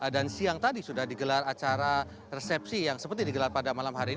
dan siang tadi sudah digelar acara resepsi yang seperti digelar pada malam hari ini